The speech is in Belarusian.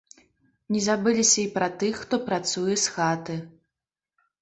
Не забыліся і пра тых, хто працуе з хаты.